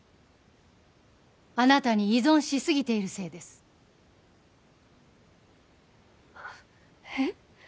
あなたに依存しすぎているせいですえっ？